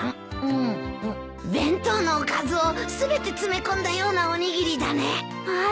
弁当のおかずを全て詰め込んだようなおにぎりだね。